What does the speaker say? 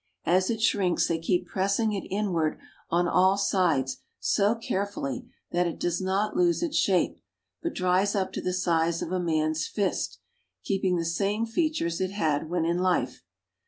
As it shrinks they keep pressing it inward on all sides so carefully that it does not lose its shape, but dries up to the, size of a man's fist, keeping the same features it had when in life.